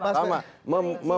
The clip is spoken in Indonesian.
kita sudah sampai apa